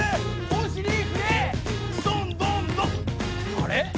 あれ？